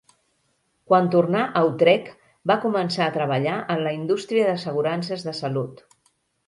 Quan tornà a Utrecht va començar a treballar en la indústria d'assegurances de salut.